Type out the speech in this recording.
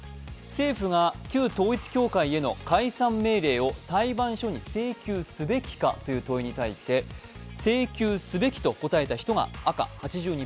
政府が旧統一教会への解散命令を裁判所に請求すべきかという問いに対して請求すべきと答えた人が赤、８２％。